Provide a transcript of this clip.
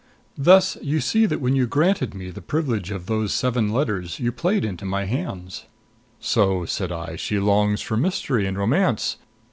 Thus you see that when you granted me the privilege of those seven letters you played into my hands. So, said I, she longs for mystery and romance.